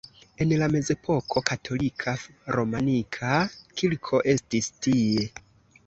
En la mezepoko katolika romanika kirko estis tie.